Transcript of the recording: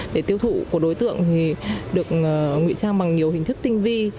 để tiêu thụ của đối tượng thì được ngụy trang bằng nhiều hình thức tinh vi